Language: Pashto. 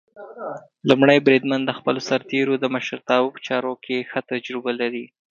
لومړی بریدمن د خپلو سرتېرو د مشرتابه په چارو کې ښه تجربه لري.